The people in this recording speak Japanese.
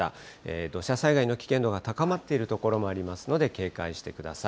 土砂災害の危険度が高まっている所もありますので、警戒してください。